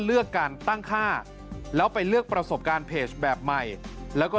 เลือกการตั้งค่าแล้วไปเลือกประสบการณ์เพจแบบใหม่แล้วก็